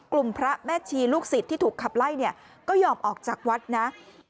กลุ่มพระแม่ทีลูกศิษย์ที่ถูกขับไล่ก็ยอมออกจากวัดนะ